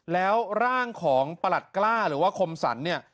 แล้วร่างของประหลัดกล้าหรือว่าคมสรรเนี่ย